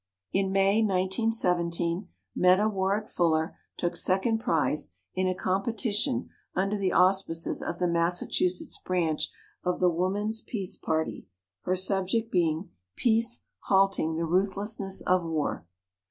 In May, 1917, Meta Warrick Fuller took second prize in a competition under the auspices of the Massachusetts Branch of the Woman's Peace Party, her subject being "Peace Halting the Ruthlessness of War."